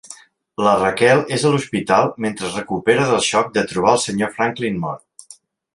Raquel és a l'hospital mentre es recupera del xoc de trobar el senyor Franklin mort.